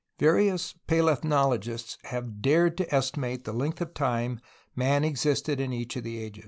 Various palethnologists have dared to estimate the length of time man existed in each of the ages.